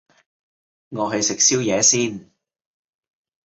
我去食宵夜先